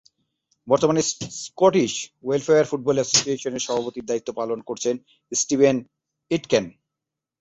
বর্তমানে Scottish welfare football অ্যাসোসিয়েশনের সভাপতির দায়িত্ব পালন করছেন স্টিভেন এইটকেন।